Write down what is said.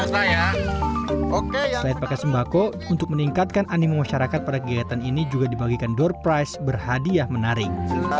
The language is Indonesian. selain pakai sembako untuk meningkatkan animo masyarakat pada kegiatan ini juga dibagikan door price berhadiah menarik